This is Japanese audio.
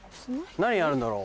何やるんだろう？